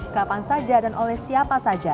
kapan saja dan oleh siapa saja